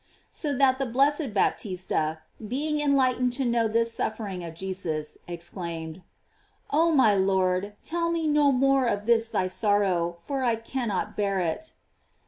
So that the blessed Baptista, being enlightened to know this suffering of Jesus, exclaimed: Oh my Lord, tell me no more of this thy sorrow, for I can not bear it.